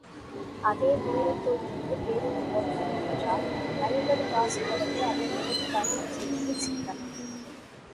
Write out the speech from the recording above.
அதே தூரத்து ஊருக்கு பேருந்து போகிறது என்றால் ஐம்பது காசு கொடுத்து அதில் ஏறிப் பயணம் செய்வது சிக்கனம்.